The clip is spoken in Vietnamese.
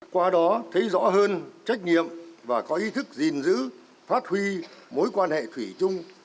qua đó thấy rõ hơn trách nhiệm và có ý thức gìn giữ phát huy mối quan hệ thủy chung